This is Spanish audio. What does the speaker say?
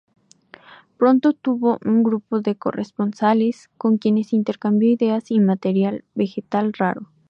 Pronto tuvo un grupo de corresponsales, con quienes intercambió ideas y material vegetal raro.